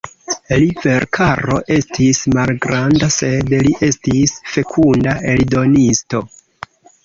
Li verkaro estis malgranda sed li estis fekunda eldonisto.